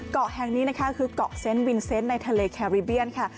เกาะแห่งนี้นะคะคือเกาะเซนต์วินเซนต์ในทะเลแคริเบียนค่ะ